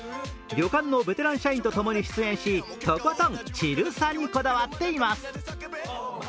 旅館のベテラン社員とともに出演しとことん「チル」さにこだわっています。